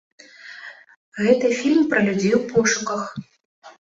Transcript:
Гэта фільм пра людзей у пошуках.